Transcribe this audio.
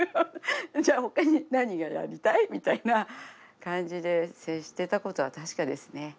じゃあほかに何をやりたい？みたいな感じで接していたことは確かですね。